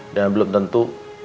dan belum tentu